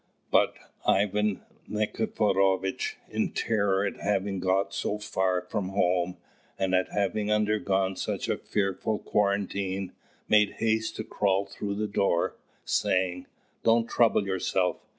But Ivan Nikiforovitch, in terror at having got so far from home, and at having undergone such a fearful quarantine, made haste to crawl through the door, saying, "Don't trouble yourself.